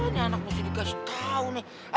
nggak ini anak musuh dikasih tau nih